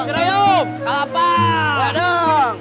ceraim kalapang ledang